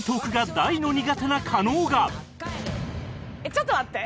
ちょっと待って！